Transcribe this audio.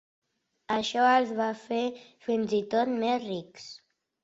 Això els va fer fins i tot més rics.